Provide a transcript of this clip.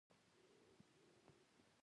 مچمچۍ پر ځان باور لري